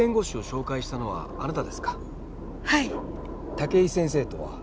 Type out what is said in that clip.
武井先生とは？